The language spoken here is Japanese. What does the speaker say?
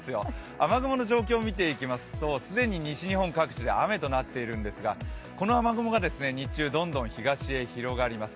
雨雲の状況を見ていきますと、既に西日本各地で雨となっているんですがこの雨雲が日中どんどん東へ広がります。